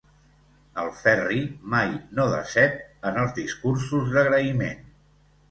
El Ferri mai no decep en els discursos d'agraïment.